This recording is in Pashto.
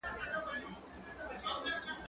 زه پرون موسيقي واورېده؟